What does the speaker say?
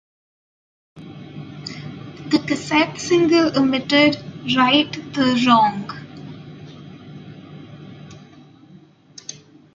The cassette single omitted "Right the Wrong".